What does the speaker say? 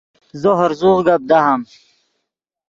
زو ہرزوغ گپ دہام